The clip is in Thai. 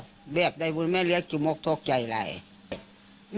เรียบได้บุญแม่เรียกจุโมกทุกข์ใจเลย